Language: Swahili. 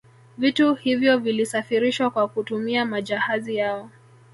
Vitu hivyo vilisafirishwa kwa kutumia majahazi yao